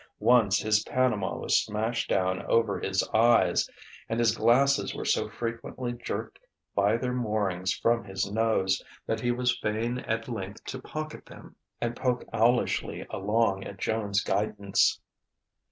Once his Panama was smashed down over his eyes; and his glasses were so frequently jerked by their moorings from his nose that he was fain at length to pocket them and poke owlishly along at Joan's guidance.